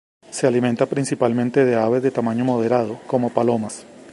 Se alimenta principalmente de aves de tamaño moderado, como palomas.